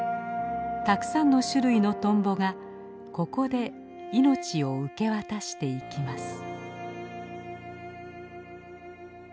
たくさんの種類のトンボがここで命を受け渡していきます。